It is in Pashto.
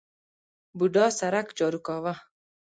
بوډا سرک جارو کاوه.